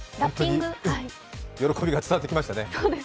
喜びが伝わってきましたね。